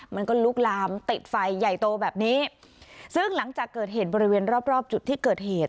มันก็ลุกลามติดไฟใหญ่โตแบบนี้ซึ่งหลังจากเกิดเหตุบริเวณรอบรอบจุดที่เกิดเหตุ